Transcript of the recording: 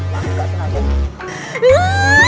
maaf kak senayi